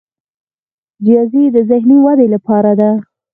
ریاضي د ذهني ودې لپاره ده.